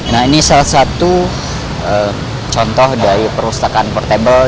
nah ini salah satu contoh dari perpustakaan portable